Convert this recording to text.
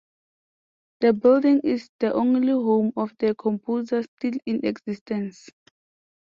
The building is the only home of the composer still in existence.